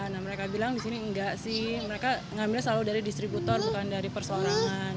nah mereka bilang disini enggak sih mereka ngambilnya selalu dari distributor bukan dari persoarangan